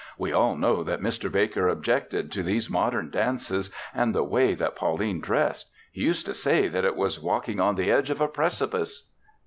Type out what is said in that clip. "We all know that Mr. Baker objected to these modern dances and the way that Pauline dressed. He used to say that it was walking on the edge of a precipice."